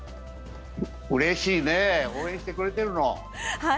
うれしいねえ、応援してくれてるの？